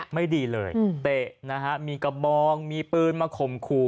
ไม่ดีเลยเตะนะฮะมีกระบองมีปืนมาข่มขู่